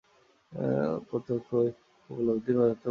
এই প্রত্যক্ষ উপলব্ধিই যথার্থ ধর্ম।